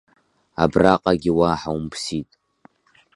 Абраҟагьы уаҳа умԥсит!